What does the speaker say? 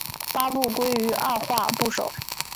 八部归于二划部首。